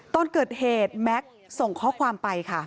ตอนเกิดเหตุแม็กซ์ส่งข้อความไปค่ะ